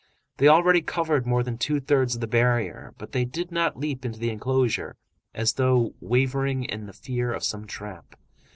They already covered more than two thirds of the barrier, but they did not leap into the enclosure, as though wavering in the fear of some trap.